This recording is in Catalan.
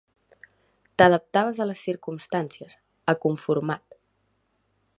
T'adaptaves a les circumstàncies, aconformat.